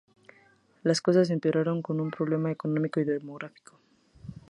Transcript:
Las cosas empeoraron con un problema económico y demográfico.